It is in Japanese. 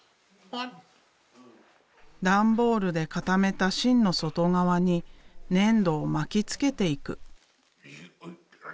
段ボールで固めた芯の外側に粘土を巻きつけていく。